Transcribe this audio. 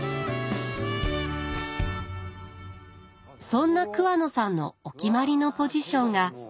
そんな桑野さんのお決まりのポジションが。